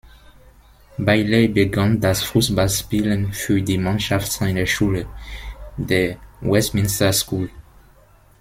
Bailey begann das Fußballspielen für die Mannschaft seiner Schule, der Westminster School.